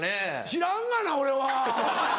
知らんがな俺は。